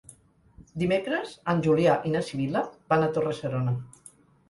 Dimecres en Julià i na Sibil·la van a Torre-serona.